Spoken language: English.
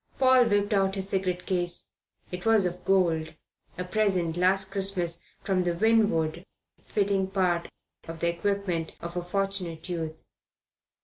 Paul whipped out his cigarette case. It was of gold a present last Christmas from the Winwood fitting part of the equipment of a Fortunate Youth.